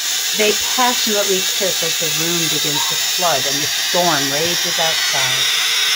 They passionately kiss as the room begins to flood and the storm rages outside.